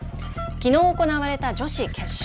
きのう行われた女子決勝。